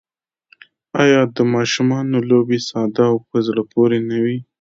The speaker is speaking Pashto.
آیا د ماشومانو لوبې ساده او په زړه پورې نه وي؟